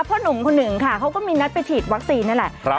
หนุ่มคนหนึ่งค่ะเขาก็มีนัดไปฉีดวัคซีนนั่นแหละ